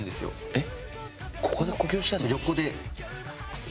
えっ！